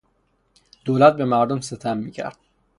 دولت به مردم ستم میکرد.